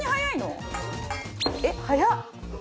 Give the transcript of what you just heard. えっ早っ！